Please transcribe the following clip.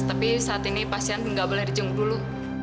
tapi saat ini pasien juga gak boleh dijunggu dulu